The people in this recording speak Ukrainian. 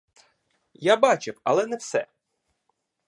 Я бачив, але не все.